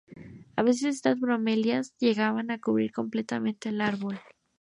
A veces estas bromelias llegan a cubrir completamente al árbol.